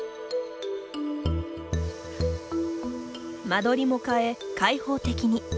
間取りも変え、開放的に。